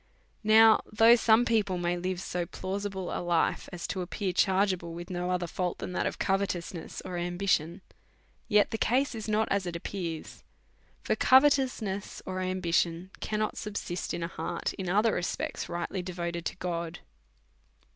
Now though some people may live so plausible a life as to appear chargeable with no other fault than that of covetous ness or ambition^ yet the case is not as it appears ; for covetousness or ambition cannot subsist in a heart that is_, in other respects,, rightly devoted to God.